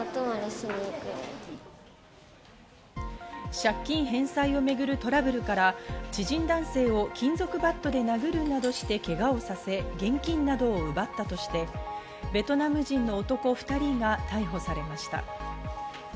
借金返済をめぐるトラブルから知人男性を金属バットで殴るなどしてけがをさせ現金などを奪ったとして、ベトナム人の男２人が逮捕されました。